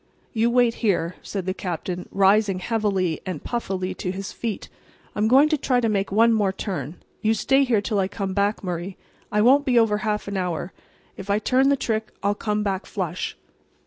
"You wait here," said the Captain, rising heavily and puffily to his feet. "I'm going to try to make one more turn. You stay here till I come back, Murray. I won't be over half an hour. If I turn the trick I'll come back flush."